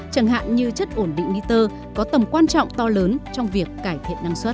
chẳng hạn như chất ổn định niter có tầm quan trọng to lớn trong việc cải thiện năng suất